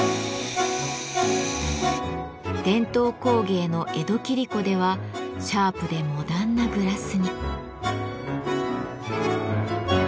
伝統工芸の江戸切子ではシャープでモダンなグラスに。